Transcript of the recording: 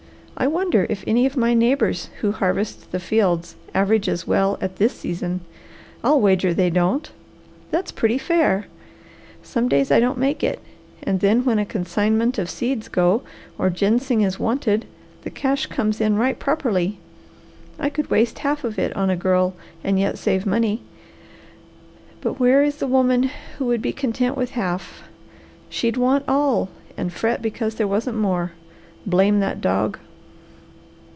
"I wonder if any of my neighbours who harvest the fields average as well at this season. I'll wager they don't. That's pretty fair! Some days I don't make it, and then when a consignment of seeds go or ginseng is wanted the cash comes in right properly. I could waste half of it on a girl and yet save money. But where is the woman who would be content with half? She'd want all and fret because there wasn't more. Blame that dog!"